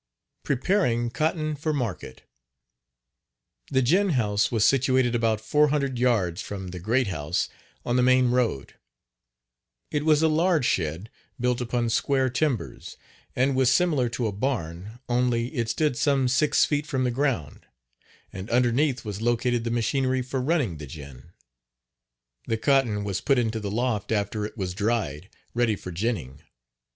PREPARING COTTON FOR MARKET. The gin house was situated about four hundred yards from "the great house" on the main road. It was a large shed built upon square timbers, and was similar to a barn, only it stood some six feet from the Page 33 ground, and underneath was located the machinery for running the gin. The cotton was put into the loft after it was dried, ready for ginning.